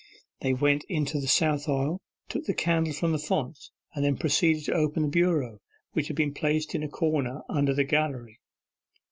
They went into the south aisle, took the candle from the font, and then proceeded to open the bureau, which had been placed in a corner under the gallery.